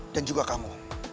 dan juga kamu